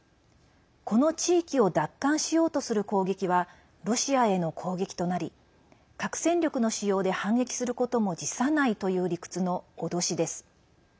この地域を奪還しようとする攻撃は、ロシアへの攻撃となり核戦力の使用で反撃することも辞さないという理屈の脅しです。